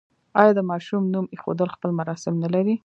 آیا د ماشوم نوم ایښودل خپل مراسم نلري؟